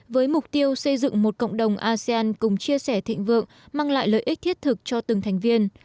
với mục tiêu xây dựng một cộng đồng asean cùng chia sẻ thịnh vượng mang lại lợi ích thiết thực cho từng thành viên